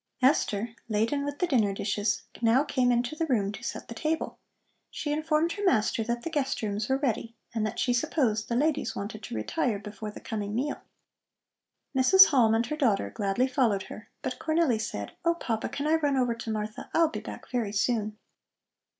Esther, laden with the dinner dishes, now came into the room to set the table. She informed her master that the guest rooms were ready and that she supposed the ladies wanted to retire before the coming meal. Mrs. Halm and her daughter gladly followed her, but Cornelli said: "Oh, Papa, can I run over to Martha? I'll be back very soon."